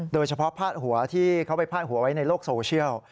พาดหัวที่เขาไปพาดหัวไว้ในโลกโซเชียล